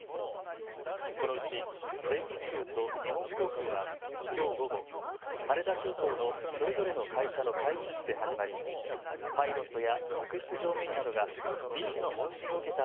このうち全日空と日本航空はきょう午後、羽田空港のそれぞれの会社の会議室で始まりパイロットや客室乗務員などが医師の問診を受けた